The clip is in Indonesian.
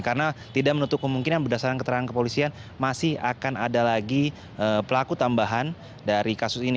karena tidak menutup kemungkinan berdasarkan keterangan kepolisian masih akan ada lagi pelaku tambahan dari kasus ini